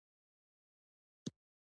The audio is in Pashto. دغه پاڅون د سربدارانو په نوم یادیده.